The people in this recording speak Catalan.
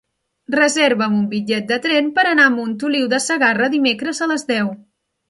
Reserva'm un bitllet de tren per anar a Montoliu de Segarra dimecres a les deu.